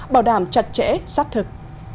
bảo đảm chặt chẽ sát thực